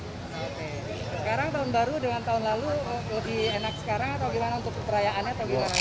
sekarang tahun baru dengan tahun lalu lebih enak sekarang atau gimana untuk perayaannya atau gimana